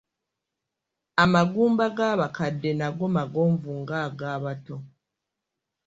Amagumba g'abakadde nago magonvu nga agabato.